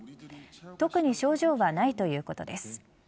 特に症状はないということです。